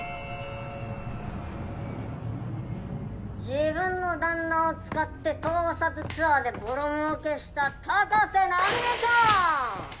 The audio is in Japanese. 自分の旦那を使って盗撮ツアーでボロ儲けした高瀬奈美江ちゃん！